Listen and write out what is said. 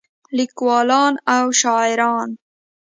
لیکولان او شاعران